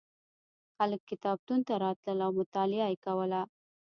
خلک کتابتون ته راتلل او مطالعه یې کوله.